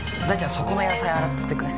そこの野菜洗っとってくれん？